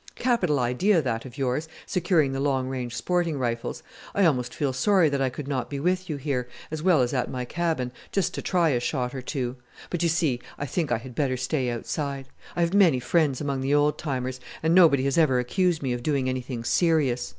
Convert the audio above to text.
Capital idea that of yours, securing the long range sporting rifles. I almost feel sorry that I could not be with you here, as well as at my cabin, just to try a shot or two; but you see I think I had better stay outside. I have many friends among the old timers, and nobody has ever accused me of doing anything serious.